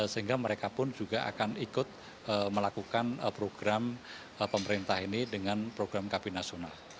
sehingga mereka pun juga akan ikut melakukan program pemerintah ini dengan program kb nasional